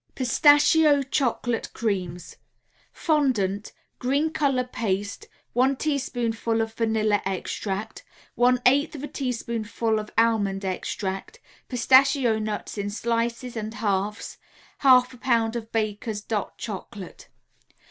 ] PISTACHIO CHOCOLATE CREAMS Fondant, Green color paste, 1 teaspoonful of vanilla extract, 1/8 a teaspoonful of almond extract, Pistachio nuts in slices and halves, 1/2 a pound of Baker's "Dot" Chocolate.